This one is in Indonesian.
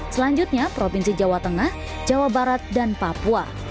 selanjutnya provinsi jawa tengah jawa barat dan papua